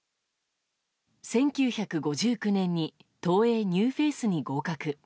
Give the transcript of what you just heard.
１９５９年に東映ニューフェイスに合格。